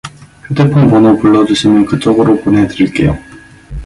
휴대폰 번호 불러주시면 그쪽으로 보내드릴게요.